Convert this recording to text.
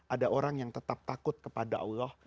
ada orang yang tetap takut kepada allah